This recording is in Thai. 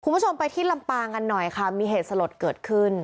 คุณผู้ชมไปที่ลำปางกันหน่อยค่ะมีเหตุสลดเกิดขึ้น